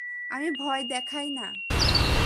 আমি ভয় দেখাই না,?